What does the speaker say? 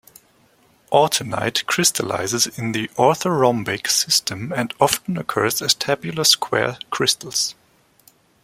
Autunite crystallizes in the orthorhombic system and often occurs as tabular square crystals.